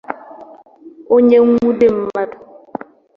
Onye nwude mmadụ